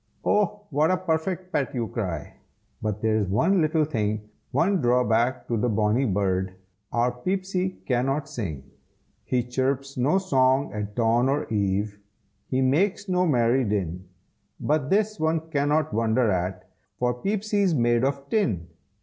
"Oh what a perfect pet!" you cry, But there's one little thing, One drawback to the bonny bird, Our Peepsy cannot sing. He chirps no song at dawn or eve, He makes no merry din, But this, one cannot wonder at, For Peepsy's made of tin.